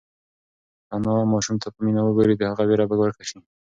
که انا ماشوم ته په مینه وگوري، د هغه وېره به ورکه شي.